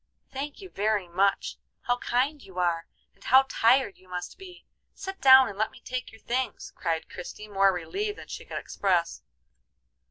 "Thank you very much! How kind you are, and how tired you must be! Sit down and let me take your things," cried Christie, more relieved than she could express.